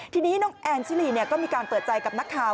ทีนี้น้องแอนชิลีก็มีการเปิดใจกับนักข่าว